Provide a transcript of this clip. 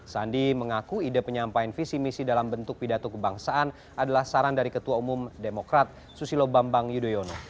sandi mengaku ide penyampaian visi misi dalam bentuk pidato kebangsaan adalah saran dari ketua umum demokrat susilo bambang yudhoyono